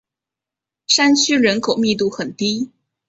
山区人口密度很低。